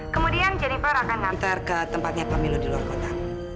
kemudian jennifer akan ngantar ke tempatnya pemilu di luar kota